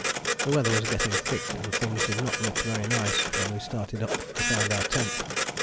The weather was getting thick and things did not look very nice when we started up to find our tent.